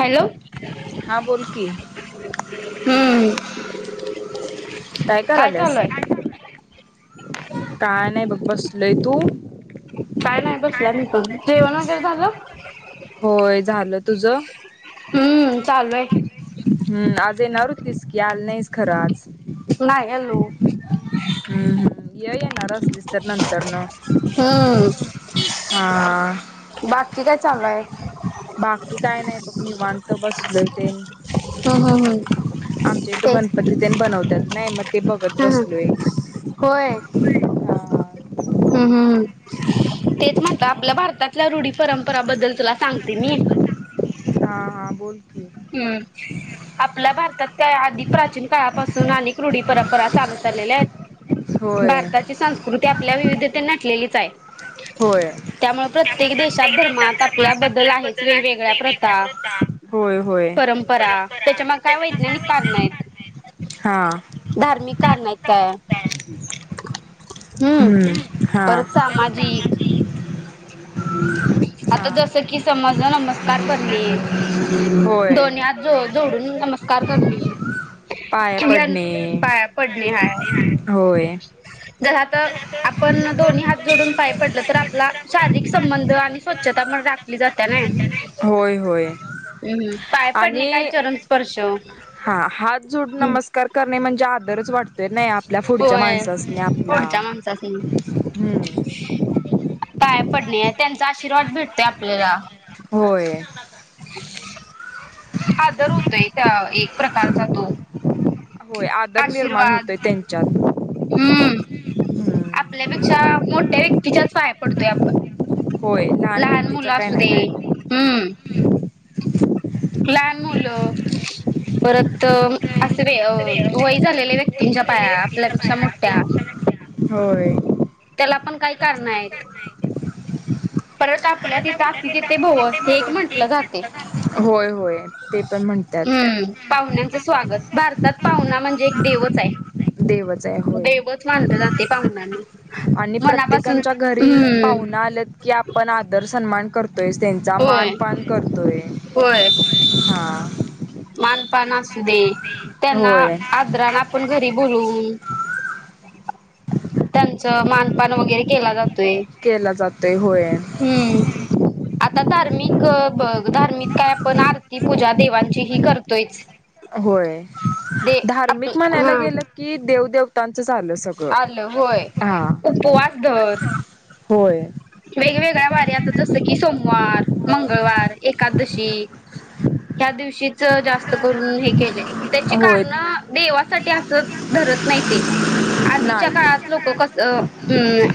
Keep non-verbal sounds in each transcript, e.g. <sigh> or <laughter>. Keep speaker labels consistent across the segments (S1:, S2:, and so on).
S1: Hello
S2: हा बोल की
S1: हम्म
S2: काय कराल्यास? काय नाही बसलोय तू
S1: काय नाही बसलाय मी जेवण वगैरे झालं
S2: होय झालं तुझं
S1: हम्म चालू आहे
S2: हम्म आज येणार होतीस की आल नाहीस खरं आज
S1: नाही आलो ह
S2: हम ह ये येणार आलीस तर नंतर न
S1: हम्म
S2: हा
S1: चालाय
S2: बाकी काय नाही बघ मी निवांतत बसलोय ते
S1: हम् हम् हम्
S2: आमच्या इथ
S1: तेच
S2: गणपती तेन बनवतात नाही मग ते बघत
S1: हम्
S2: बसलोय
S1: होय हम् हम् तेच म्हणत आपल्या भारतातल्या रूढी परंपराबद्दल तुला सांगते मी
S2: हा हा बोल की
S1: हम्म आपल्या भारतात काय आधिक प्राचीन काळापासून अनेक रूढी परंपरा चालत आलेल्या आहेत
S2: होय
S1: भारताची संस्कृती आपल्या विविधते नटलेली जाय
S2: होय त्यामुळे प्रत्येक देशात
S1: आपल्या
S2: धर्मात
S1: बदल आहेच
S2: आपल्याबद्दल आहेत
S1: वेगवेगळ्या
S2: वेगंवेगळ्या
S1: प्रथा
S2: प्रथा
S1: परंपरा त्याच्या मागे काय वैज्ञानिक कारण
S2: हा
S1: आहेत धार्मिक कारण आहेत काय हम
S2: हम्म हा
S1: सामाजिक
S2: हा
S1: आता जस कि समज नमस्कार करणे
S2: होय
S1: दोन्ही हात जोडून नमस्कार करणे
S2: पाया पडणे
S1: काय पडणे हाय
S2: होय.
S1: जर आता आपण दोन्ही हात जोडून पाय पडलं तर आपला शारीरिक संबंध आणि स्वच्छ त्या मुळे
S2: होय, होय
S1: हम्म पाय पडणे काय
S2: आणि
S1: चरण स्पर्श
S2: हा हात जोड नमस्कार करणे म्हणजे आदरच वाटत तर नाही आपल्या पुढच्या
S1: होय
S2: माणसाच नाही आपला
S1: पुढच्या माणसासनी
S2: हम्म
S1: काय पडणे त्यांचा आशीर्वाद भेटतय आपल्याला
S2: होय
S1: <inaudible> आदर होतोय त्या एक प्रकारचा तो
S2: होय आदर निर्माण
S1: आशीर्वाद
S2: होतोय त्यांच्यात
S1: हम्म
S2: हम्म
S1: आपल्यापेक्षा मोठ्या व्यक्तीच्याच पाय पडतोय आपण
S2: होय लहान व्यक्तीच
S1: मुलं
S2: काय
S1: असू दे
S2: नाही
S1: हम्म लहान मुलं परत असे व वय झालेल्या व्यक्तींच्या पाया आपल्यापेक्षा मोठ्या
S2: होय
S1: त्याला पण काही कारण आहेत परत आपल्या तिथे तिथथे भव हे एक म्हंटलं जाते
S2: होय होय ते पण म्हणतात.
S1: हम् पाहुण्यांचं स्वागत भारतात पाहुणा म्हणजे एक देवच
S2: देवच
S1: आहे
S2: होय
S1: देवत मानलं जाते पाहुनांनी
S2: आणि प्रत्येकच्या घरी पाहुना आल्यात की आपण आदर सन्मान करतोय त्यांचा
S1: होय
S2: मानपन करतोय हा
S1: मानपन असू दे त्यांना
S2: होय.
S1: आद्रण आपण घरी बोलून त्यांचं मानपन वगैरे केला जातो
S2: केला जातोय होय
S1: हम्म आता धार्मिक ब धार्मिक काय आपण आरती पूजा देवांची ही करतोयच
S2: होय
S1: दे आप
S2: धार्मिक म्हणायला
S1: हा
S2: गेलं की देवदव तच
S1: आलं होय उपवास धर
S2: होय.
S1: वेगवेगळ्या वार्या आता जसं की सोमवार मंगळवार एकादशी ह्या दिवशीच जास्त करून हे केलय त्याची
S2: होय.
S1: कारण देवासाठी अस धरत नाही ते
S2: नाही
S1: काळात लोक कस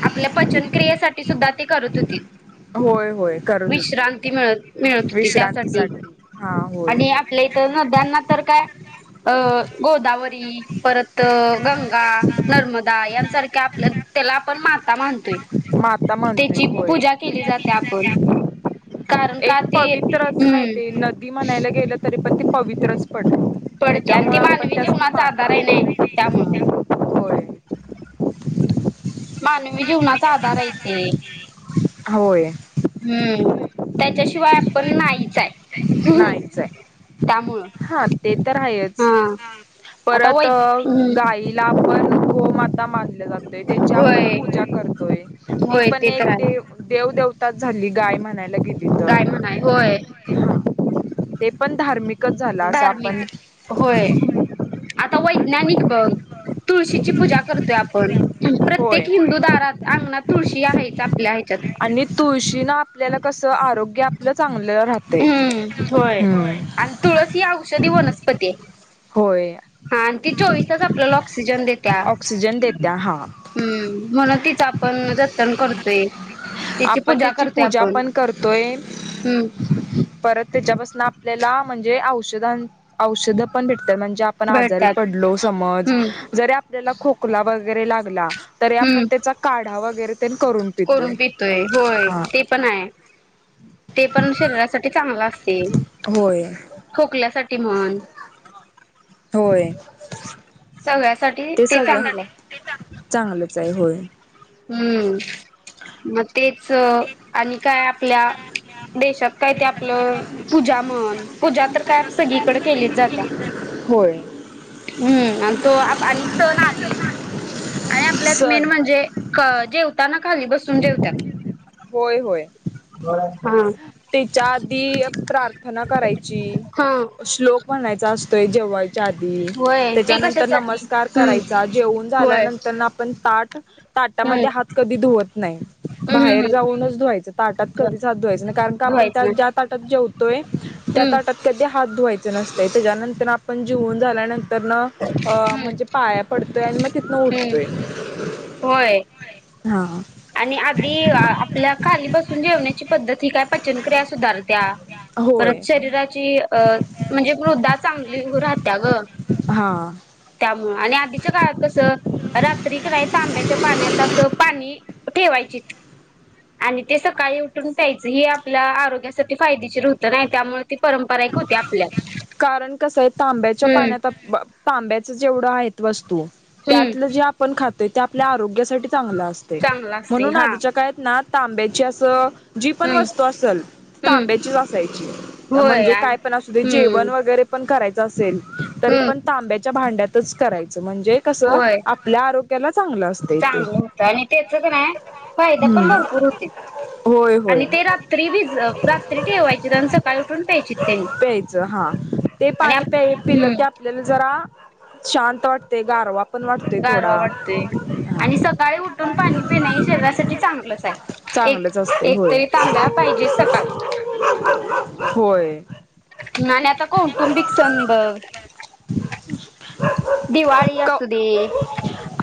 S1: आपल्या पचन क्रयेसाठी सुद्धा ते करत होतीत
S2: होय होय करत होते.
S1: विश्रांती मिळत मिळत होती त्यासाठी
S2: विश्रांतीसाठी हा होय.
S1: आणि आपल्या इथ नद्यांना तर काय अं गोदावरी परत गंगा नर्मदा यांसारख्या आपल्या त्याला आपण का मानतोय
S2: माता
S1: त्याची
S2: मानतोय
S1: पूजा
S2: केली
S1: जाते आपण कारण
S2: एक
S1: का ते
S2: पवित्रच नाही ते
S1: हम्म
S2: नदी म्हणायला गेलं तरी पण ते पवित्रच
S1: पडते आणि
S2: त्याच्यामुळें
S1: ते
S2: आपण
S1: मानवी
S2: त्यास्नी
S1: जीवनाचा आधार आहे नाही त्यामुळं
S2: <unintelligible> होय
S1: मानवी जीवनाचा आधार आहे ते
S2: <unintelligible> होय ते
S1: हम्म
S2: त्याच्याशिवाय आपण नाहीच आहे नाहीच
S1: त्यामुळं
S2: हाय हा ते तर आहेच हा
S1: आता
S2: परत
S1: वै हम्म
S2: गाईला पण गोमाता <unintelligible> मानल जातय त्याची
S1: होय
S2: आपण पूजा करतोय ती
S1: होय
S2: पण
S1: ते तर
S2: एक देव
S1: आहे
S2: देवता - एक तास झाली गाय म्हणायला गेली तर.
S1: गाय म्हणाय होय
S2: हा ते पण धार्मिक कसं झालं असं
S1: धार्मिक
S2: आपण
S1: ता वैज्ञानिक बग तुळशी ची पूजा करतोय आप पण प्रत्येक
S2: होय.
S1: हिंदू दारात अंगणात तुळशी ती आहे च आप -
S2: आणि तुळशी ना आपल्याला कस आरोग्य आपलं चांगलं राहतय
S1: हम्म होय
S2: हमम
S1: आणि तुळस ही
S2: होय
S1: ह आणि ती चोवीस तास आपल्याला ऑक्सिजन देत्या्
S2: ऑक्सिजन देत्या हा
S1: हम् म्हणून ती चापण जतन करतोय
S2: आपण
S1: पूजा
S2: त्याची
S1: करतोय
S2: पूजा
S1: आपण
S2: पण करतोय.
S1: हम्म
S2: परत त्याच्यापासून आपण आपल्याला म्हणजे औषधं औषध पण भेट ते म्हणजे आपण आजारी
S1: भेटतात
S2: पडलो समज
S1: हम्म
S2: जरी आपल्याला खोकला वगैरे लागला तरी
S1: हम्म
S2: आपण त्याचा काढा वगैरे
S1: तोय होय. होय
S2: हा
S1: ते पण हाय ते पण शरीरासाठी चा चांगल असतय
S2: होय
S1: खोकल्या साठी ते म्हण.
S2: होय.
S1: सगळ्यासाठी
S2: ते
S1: चांगलं
S2: सगळ्यांसाठी
S1: आहे.
S2: ते चांगलंच आहे होय.
S1: हम्म. म तेच आणि काय आपल्या देशात काय ते आपलं पूजा म्हण पूजा तर, काय सगळीकडे केलीच जाते
S2: होय
S1: हम्म. आणि तो आणि सण आलीत आणि आपल्यात मेन
S2: सण
S1: म्हणजे क जेउ ताना खाली बसून जेवत्यात.
S2: होय होय.
S1: हा.
S2: त्याच्या आधी प्रार्थना करायची,
S1: हा
S2: श्लोक म्हणायचा असतोय त जेव्हाय च्या आधी
S1: होय ते
S2: त्याच्यानंतर,
S1: कशासाठी
S2: नमस्कार
S1: हम्म
S2: करायचा जेवून
S1: होय
S2: झाल्यानंतर आपण ताट <inaudible>
S1: हम्म
S2: ताटामध्ये हात कधी धुवत नाही,
S1: हम्म
S2: बाहेर
S1: हम्म
S2: जाऊनच धुवायचं ताटात
S1: हम्म
S2: कधीच हात धुवायच नाही कारण आपन
S1: धुवायचं नाही
S2: ज्या ताटात जेवतोय त्या
S1: हम्म
S2: ताटात कधी हात धुवायच नसतंय तेज्या नंतर आपण जिऊन झाल्यानं
S1: महम्म
S2: आणि मग तिथनं
S1: हम्म
S2: उठतोय.
S1: होय,
S2: हा
S1: आणि आधी आपल्या खाली बसून जेवण्याची पद्धती ही काय पचनक्रिया सुधारत्या
S2: होय
S1: परत शरीराची अ म्हणजे मृदा चांगली राहत्या ग.
S2: हा.
S1: आणि आधीच्या काळात कस रात्री नाही तांब्याच्या आणि आधीच्या काळात कस रात्री कने तांब्याच्या पाण्यात अस पाणी ठेवायची त आणि ते सकाळी उठून प्यायचं हे आपल्या आरोग्यासाठी फायदेशीर होत नाही त्यामुळे ती परंपरा एक होती आपल्या
S2: कारण कस आहे तांब्याच्या
S1: हम्म
S2: पाण्यात आत मग तांब्याच जेवढं आहेत व स्तू
S1: हम्म
S2: त्यातलं जे आपण खातोय त्या आपल्या आरोग्यासाठी चांगल असतंय
S1: चांगला असते
S2: म्हणून
S1: हा
S2: आधीच्या काळात ना तांब्याची अस जी पण
S1: हम्म
S2: वस्तू असल
S1: हम्म
S2: तांब्याचीच असायची त्या
S1: होय
S2: मनजे काय
S1: आणि-
S2: पण असू दे
S1: हम्म
S2: जेवण वगैरे पण करायच असेल तरी
S1: हम्म
S2: पण तांब्याच्या भांड्यातच करायचं. म्हणजे कसं
S1: होय
S2: आपल्या आरोग्याला चांगलं असतंय ते
S1: चांगलं होत आणि तेच कणी फायद पण
S2: हम्म
S1: भरपूर होतीत
S2: होय होय
S1: आणि ते रात्री भिज रात्री ठेवायचे आणि सकाळी उठून प्यायचीत
S2: प्यायचं हा ते पाणी प्या पिलं
S1: हम्म
S2: की आपल्याला जरा शांत वाटते गारवा पण वाटतोय
S1: गारवा
S2: थोडा
S1: वाटतेय
S2: हा
S1: आणि सकाळी उठून पाणी पिणं हे शरीरासाठी चांगलंच आहे एक
S2: चांगलंच असते होय
S1: एकतरी तांब्या पाहिजे सकाळ
S2: होय
S1: आणि आता कौटुंबिक संद दे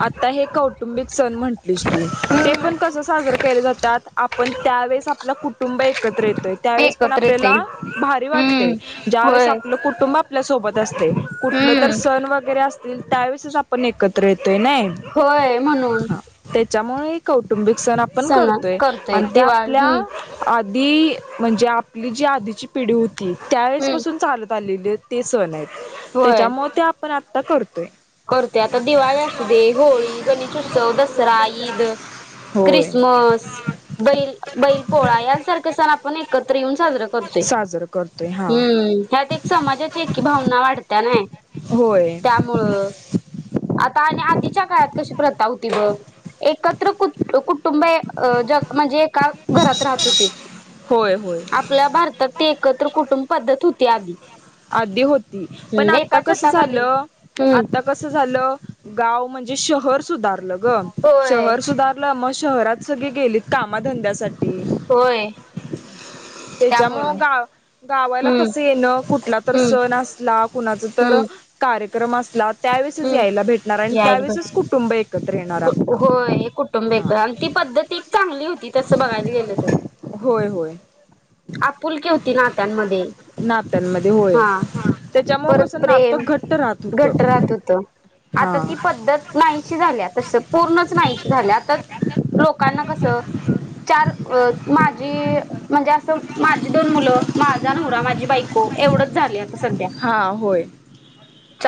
S2: आता हे कौटुंबिक सण म्हटलेस तू ते
S1: हम्म
S2: पण कस साजर केले जातय आपण त्यावेेळेस आपलं कुटुंब एकत्र येत त्यावेळेस पण
S1: एकत्र येते
S2: आपल्याला भारी वाटते
S1: हम्म
S2: ज्यावेेळेस
S1: होय
S2: आपलं कुटुंब आपल्या सोबत असते कुठलं तर
S1: हम्म
S2: सण वगैरे त्यावेळेस आपण एकत्र येत
S1: होय म्हणून
S2: त्यामुळे कौटुंबिक सण आपण करतोय आणि त्या आपल्या अगदी म्हणजे आपली जी आधीची पिढी होती त्यावेळेस
S1: हम्म
S2: पासून चालत आलेले ते सण आहेत
S1: होय
S2: तेच्याम ते पण आता करतो
S1: करते आता दिवाळी असू दे होळी गणेश उत्सव दसरा ईद
S2: होय
S1: क्रिसमस बैल बैल पोळा यासारखे सण आपण एकत्र येऊन साजरा करतोय
S2: साजरं करतोय हा.
S1: हम्म ह्यात एक समाजाची एक भावना वाढते त्या नाही
S2: होय
S1: त्यामुळं आता आणि आधीच्या काळात कशी प्रत्य ती ब एकत <unintelligible> कुटुंब ज म्हणजे एका घरात राहत होती
S2: होय होय
S1: आपल्या भारतात ते एकत्र कुटुंब पद्धत होती इत्यादी
S2: आधी होती पण आता कस
S1: छताखाली
S2: झालं
S1: हम्म
S2: आता कस झालं गाव म्हणजे शहर सुधारलं
S1: होय
S2: शहर सुधारलं म शहरात सगळे गेलीत कामाधंद्यासाठी
S1: होय त्यामुळं
S2: त्याच्यामु गाव गावाला
S1: हम्म
S2: कस येणं कुठला तर
S1: हम्म
S2: सण असला कुणाच तर
S1: हम्म
S2: कार्य अक्रमास लालात त्यावेळेसच यायला भेटणार आणि त्यावेळेसच कुटुंब एक
S1: ु होय कुटुंबे आणि ती पद्धती चांगली होती त तसं बघायला गेलं तर
S2: होय होय
S1: आपुलकी होती नात्यांमध्ये
S2: नात्यांमध्ये होय
S1: हा
S2: त्याच्यामुळं
S1: परत
S2: कसं नातं
S1: प्रेम
S2: घट्ट राहत
S1: घट
S2: होतं
S1: राहत होत आता
S2: हा
S1: ती पद्धत नाहीशी झाल्यात पूर्ण नाही झा आ लोकांना कस चार अ माझी म्हणजे असं माझी दोन मुलं माझा नवरा माझी बायको एवढंच झाली
S2: हा होय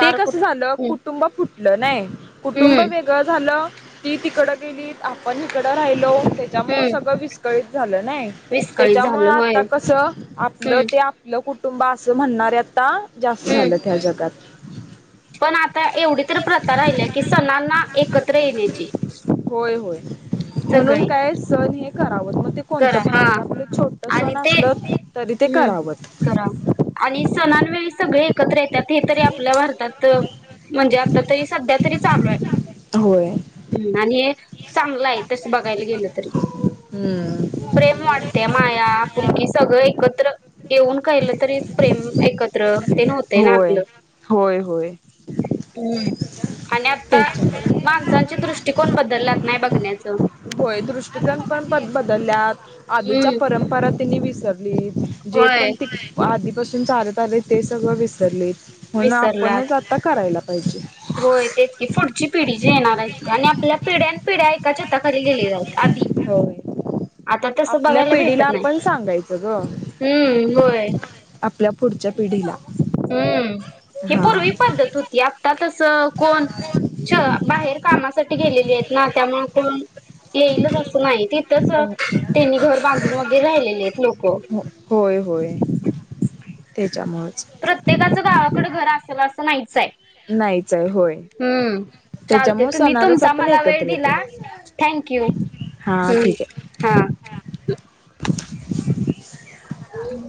S2: ते कस
S1: कुट
S2: झालं
S1: हम्म
S2: कुटुंब फुटलं नाही कुटुंब
S1: हम्म
S2: वेगळं झालं ती तिकडं गेली आपण तिकडं राहिलो त्याच्यामुळे
S1: हम्म
S2: सगळं विस्कळीत झाले नाही
S1: विस्कळीत
S2: त्याच्यामुळे
S1: झालं होय
S2: आता कस आपलं
S1: हम्म
S2: ते आपलं कुठ कुटुंबा असं म्हणणार त जास्त
S1: हम्म
S2: झालंत ह जगात
S1: पण आता एवढी तर प्रथा राहिली की सणांना एकत्र येण्याची
S2: होय होय म्हणून
S1: सगळी
S2: काय सण हे. ह मग ते कोणतं
S1: करा
S2: पण
S1: हा
S2: असलं आप छोट
S1: आणि
S2: सण
S1: ते
S2: असल
S1: हम्म करा आणि सणा <inaudible> ह एकत्र त्यात हे तरी आपल्या भारतात म्हणजे आता तरी सध्या तरी चालू
S2: होय
S1: आहे आणि चांगलं आहे तसं बघायला गेलं तरी
S2: हम्म
S1: प्रेम वाटते माया पुुलकी सगळं एकत्र येऊन काहिलं तरी प्रेम एकत्र ते ना
S2: होय
S1: आपलं
S2: होय होय
S1: हम् आणि आता माणसांचे
S2: तेच
S1: दृष्टिकोन बदलला नाही बघण्याचं
S2: बदलल्या आजूच्या
S1: हम्म
S2: परंपरा त्यांनी विसर ली जे
S1: होय
S2: पण ते आ सून चालत आले ते सगळं विसरले म्हून
S1: विसरलात
S2: आपणच आता करायला पाहिजे
S1: होय ते की पुढची पिढी जी येणार आहे ती आणि आपल्या पिढ्या पिढ्या एकाच्यात आधी
S2: होय
S1: आता तस
S2: आपल्या
S1: बघायला
S2: पिढीला
S1: भेटत नाही
S2: आपण सांगायचं ग
S1: हम् होय
S2: आपल्या पुढच्या पिढीला
S1: हम्म हे
S2: हा
S1: पूर्वी पद्धत होती आता तसं कोण बाहेर कामासाठी गेलेली आहेत ना त्यामु कोण येईलच असं नाही तिथंच
S2: अ
S1: त्यांनी घर बांधून वगैरे राहिलेले आहेत लोक
S2: हो ते
S1: प्रत्येकाचं गावाकडे घर असेल अस. नाहीच आहे.
S2: नाहीच आहे होय
S1: हम् चालते
S2: त्याच्यामुळे
S1: तुम्ही
S2: सणालाच
S1: तुमचा
S2: आपण
S1: मला वेळ
S2: एकत्र
S1: दिला
S2: येतोय
S1: थँक यू
S2: हां
S1: हम्
S2: ठीक आहे
S1: हा.. हम्म